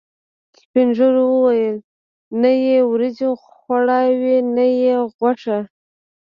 سپینږیرو ویل: نه یې وریجې خوړاوې، نه یې غوښه.